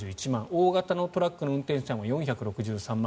大型のトラックの運転手さんは４６３万。